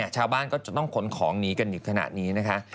ชาวบ้านก็จะต้องขนของหนีกันอยู่ขนาดนี้นะคะ